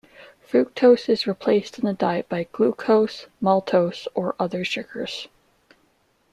Fructose is replaced in the diet by glucose, maltose or other sugars.